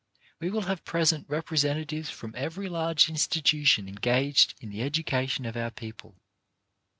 We will have present representatives from every large institution engaged in the education of our people.